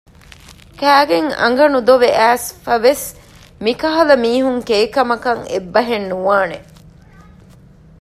ކައިގެން އަނގަ ނުދޮވެ އައިސްފަވެސް މިކަހަލަ މީހުން ކެއިކަމަކަށް އެއްބަހެއް ނުވާނެ